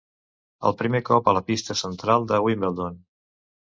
El primer cop a la pista central de Wimbledon.